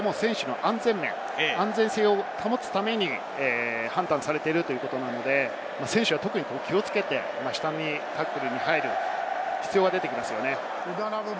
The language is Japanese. これは選手の安全性を保つために判断されているということなので、選手は特に気をつけて下にタックルに入る必要が出てきます。